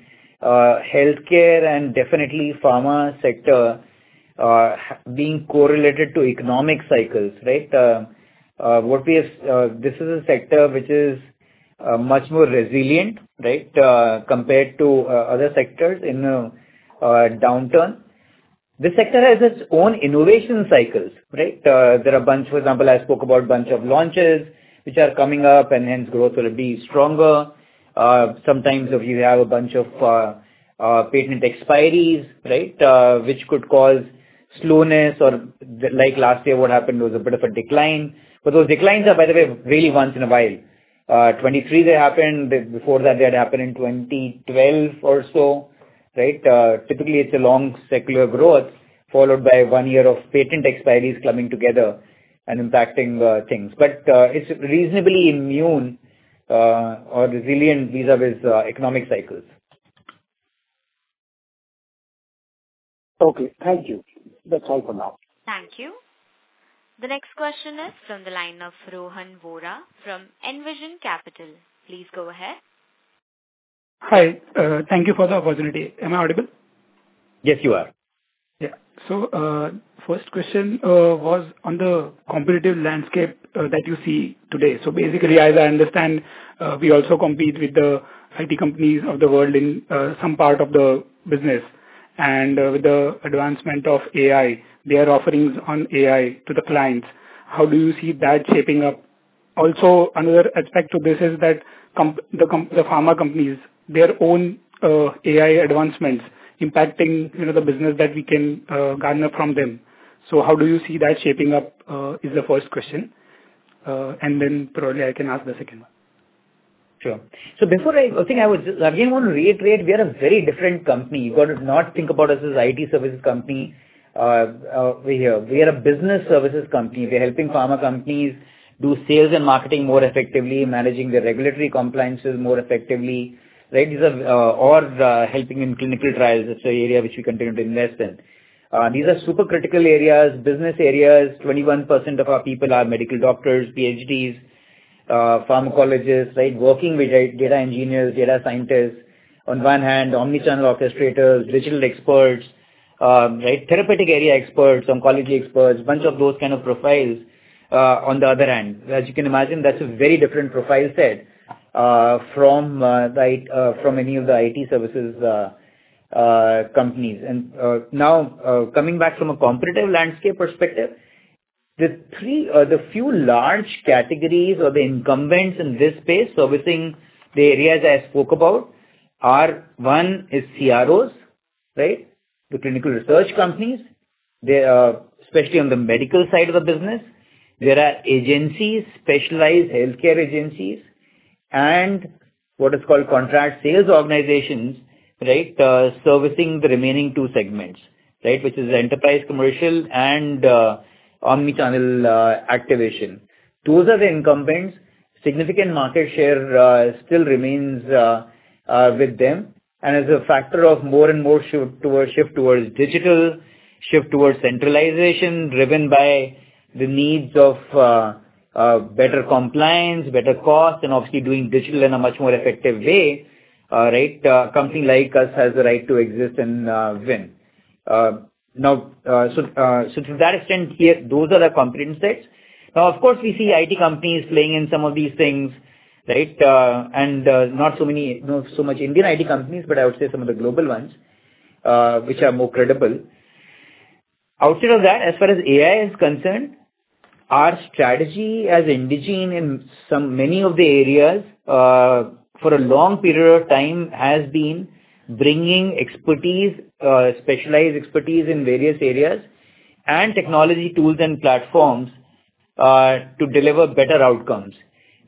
and definitely pharma sector being correlated to economic cycles, right? This is a sector which is much more resilient, right, compared to other sectors in a downturn. This sector has its own innovation cycles, right? There are a bunch, for example, I spoke about a bunch of launches which are coming up, and hence growth will be stronger. Sometimes we have a bunch of patent expiries, right, which could cause slowness. Or like last year, what happened was a bit of a decline. But those declines are, by the way, really once in a while. 2023, they happened. Before that, they had happened in 2012 or so, right? Typically, it's a long secular growth followed by one year of patent expiries coming together and impacting things. But it's reasonably immune or resilient vis-à-vis economic cycles. Okay. Thank you. That's all for now. Thank you. The next question is from the line of Rohan Vora from Envision Capital. Please go ahead. Hi. Thank you for the opportunity. Am I audible? Yes, you are. Yeah. So first question was on the competitive landscape that you see today. So basically, as I understand, we also compete with the IT companies of the world in some part of the business. And with the advancement of AI, they are offerings on AI to the clients. How do you see that shaping up? Also, another aspect of this is that the pharma companies' own AI advancements impacting the business that we can garner from them. So how do you see that shaping up is the first question. And then probably I can ask the second one. Sure. So before I—I think I would again want to reiterate, we are a very different company. You got to not think about us as an IT services company. We are a business services company. We are helping pharma companies do sales and marketing more effectively, managing their regulatory compliances more effectively, right, or helping in clinical trials. It's an area which we continue to invest in. These are super critical areas, business areas. 21% of our people are medical doctors, PhDs, pharmacologists, right, working with data engineers, data scientists on one hand, omnichannel orchestrators, digital experts, right, therapeutic area experts, oncology experts, a bunch of those kind of profiles on the other hand. As you can imagine, that's a very different profile set from any of the IT services companies. Now, coming back from a competitive landscape perspective, the few large categories or the incumbents in this space servicing the areas I spoke about are: one is CROs, right, the clinical research companies, especially on the medical side of the business. There are agencies, specialized healthcare agencies, and what is called contract sales organizations, right, servicing the remaining two segments, right, which is Enterprise Commercial and Omnichannel Activation. Those are the incumbents. Significant market share still remains with them. And as a factor of more and more shift towards digital, shift towards centralization driven by the needs of better compliance, better cost, and obviously doing digital in a much more effective way, right, a company like us has the right to exist and win. Now, so to that extent, those are the competitive sets. Now, of course, we see IT companies playing in some of these things, right, and not so many—not so much Indian IT companies, but I would say some of the global ones, which are more credible. Outside of that, as far as AI is concerned, our strategy as Indegene in many of the areas for a long period of time has been bringing expertise, specialized expertise in various areas and technology tools and platforms to deliver better outcomes.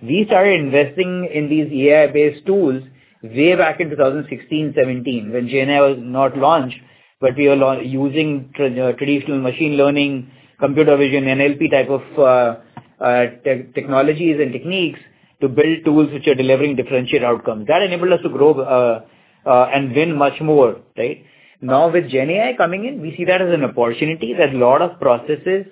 We started investing in these AI-based tools way back in 2016, 2017, when GenAI was not launched, but we were using traditional machine learning, computer vision, NLP type of technologies and techniques to build tools which are delivering differentiated outcomes. That enabled us to grow and win much more, right? Now, with GenAI coming in, we see that as an opportunity that a lot of processes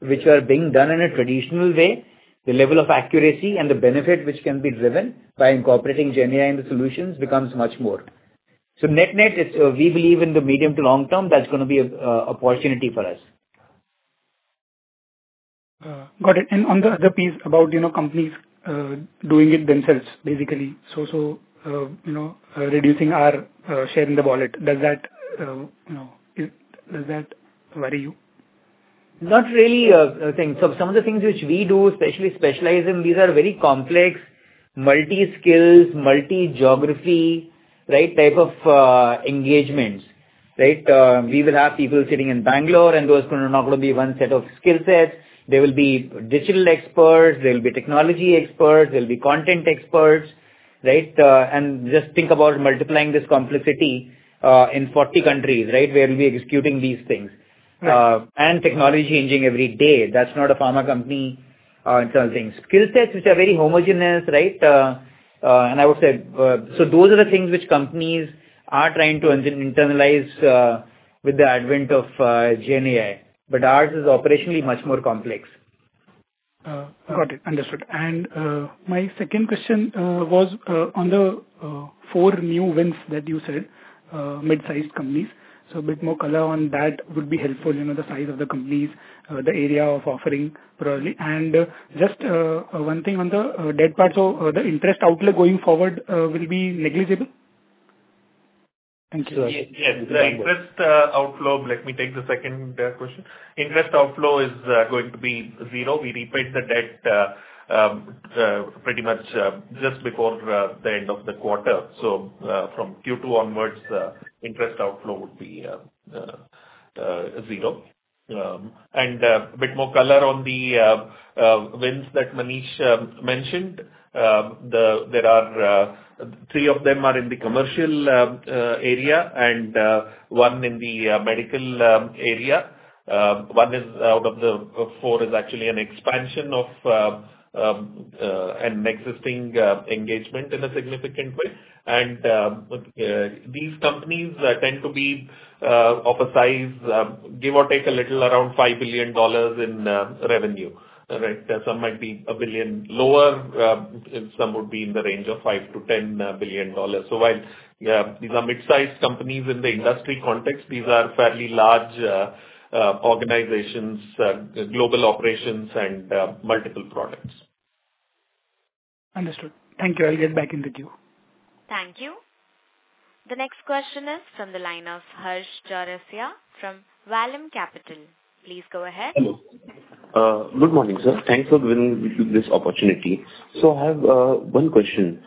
which are being done in a traditional way, the level of accuracy and the benefit which can be driven by incorporating GenAI in the solutions becomes much more. So net-net, we believe in the medium to long term that's going to be an opportunity for us. Got it. And on the other piece about companies doing it themselves, basically, so reducing our share in the wallet, does that worry you? Not really. So some of the things which we do, especially specialize in, these are very complex, multi-skills, multi-geography, right, type of engagements, right? We will have people sitting in Bangalore, and those are not going to be one set of skill sets. They will be digital experts. They will be technology experts. They'll be content experts, right? And just think about multiplying this complexity in 40 countries, right, where we'll be executing these things and technology changing every day. That's not a pharma company kind of thing. Skill sets which are very homogeneous, right? And I would say so those are the things which companies are trying to internalize with the advent of GenAI. But ours is operationally much more complex. Got it. Understood. And my second question was on the four new wins that you said, mid-sized companies. So a bit more color on that would be helpful, the size of the companies, the area of offering probably. And just one thing on the debt part, so the interest outlay going forward will be negligible? Thank you. Yes. The interest outflow, let me take the second question. Interest outflow is going to be zero. We repaid the debt pretty much just before the end of the quarter. So from Q2 onwards, interest outflow would be zero. And a bit more color on the wins that Manish mentioned, there are three of them are in the commercial area and one in the medical area. One is out of the four is actually an expansion of an existing engagement in a significant way. And these companies tend to be of a size, give or take a little, around $5 billion in revenue, right? Some might be a billion lower. Some would be in the range of $5 billion-$10 billion. So while these are mid-sized companies in the industry context, these are fairly large organizations, global operations, and multiple products. Understood. Thank you. I'll get back in the queue. Thank you. The next question is from the line of Harsh Chaurasia from Vallum Capital. Please go ahead. Hello. Good morning, sir. Thanks for giving me this opportunity. I have one question.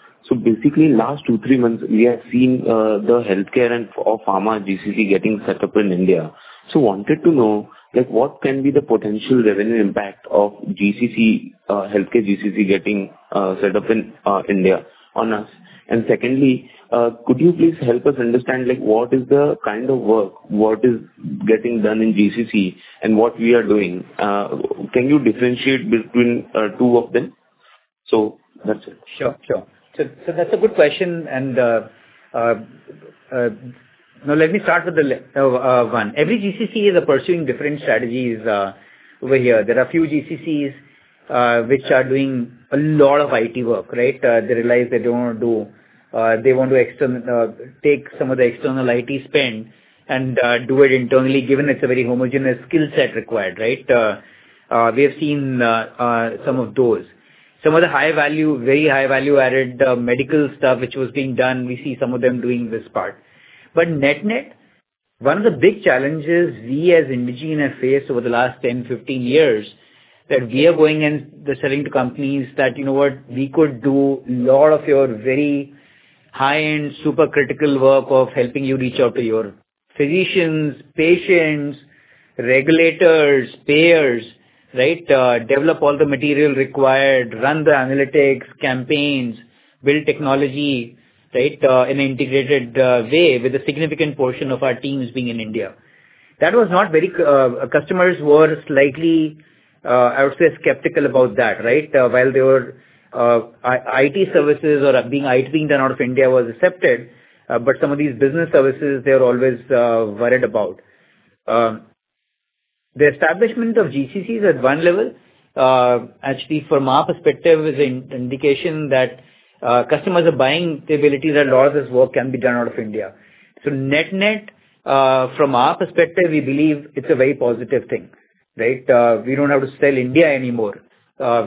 Basically, last two to three months, we have seen the healthcare and/or pharma GCC getting set up in India. Wanted to know what can be the potential revenue impact of healthcare GCC getting set up in India on us? And secondly, could you please help us understand what is the kind of work, what is getting done in GCC, and what we are doing? Can you differentiate between two of them? That's it. Sure. Sure. So that's a good question. And now let me start with the one. Every GCC is pursuing different strategies over here. There are a few GCCs which are doing a lot of IT work, right? They realize they don't want to do, they want to take some of the external IT spend and do it internally given it's a very homogeneous skill set required, right? We have seen some of those. Some of the high-value, very high-value-added medical stuff which was being done, we see some of them doing this part. But net-net, one of the big challenges we as Indegene have faced over the last 10-15 years that we are going and selling to companies that, you know what, we could do a lot of your very high-end, super critical work of helping you reach out to your physicians, patients, regulators, payers, right, develop all the material required, run the analytics, campaigns, build technology, right, in an integrated way with a significant portion of our teams being in India. That was not very, customers were slightly, I would say, skeptical about that, right? While their IT services or IT being done out of India was accepted, but some of these business services, they were always worried about. The establishment of GCCs at one level, actually, from our perspective, is an indication that customers are buying the ability that a lot of this work can be done out of India. So net-net, from our perspective, we believe it's a very positive thing, right? We don't have to sell India anymore,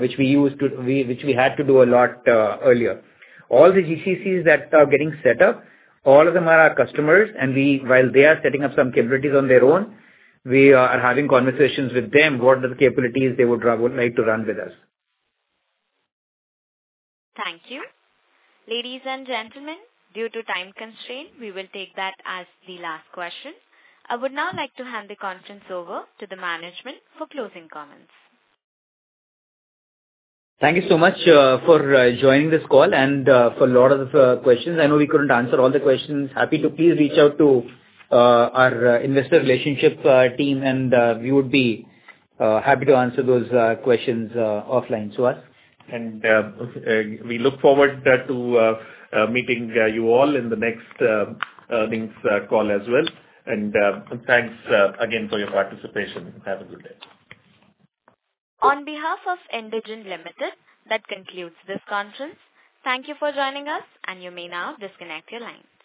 which we had to do a lot earlier. All the GCCs that are getting set up, all of them are our customers. And while they are setting up some capabilities on their own, we are having conversations with them what are the capabilities they would like to run with us. Thank you. Ladies and gentlemen, due to time constraint, we will take that as the last question. I would now like to hand the conference over to the management for closing comments. Thank you so much for joining this call and for a lot of questions. I know we couldn't answer all the questions. Happy to please reach out to our Investor Relations team, and we would be happy to answer those questions offline to us. We look forward to meeting you all in the next earnings call as well. Thanks again for your participation. Have a good day. On behalf of Envision Capital, that concludes this conference. Thank you for joining us, and you may now disconnect your line.